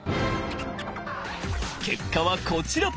結果はこちら。